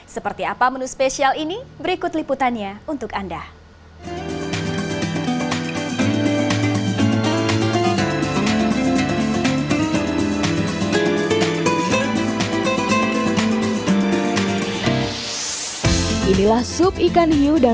seperti apa menu spesial ini berikut liputannya untuk anda